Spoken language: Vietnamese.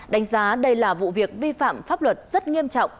đánh giá đây là vụ việc vi phạm pháp luật rất nghiêm trọng